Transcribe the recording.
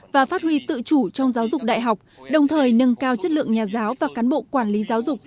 và phát huy tự chủ trong giáo dục đại học đồng thời nâng cao chất lượng nhà giáo và cán bộ quản lý giáo dục